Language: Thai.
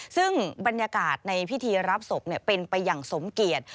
ซึ่งบรรยากาศในพิธีรับศพเป็นไปอย่างสมเกียจ